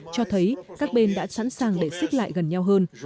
cho thấy các bên đã sẵn sàng để xích lại gần nhau hơn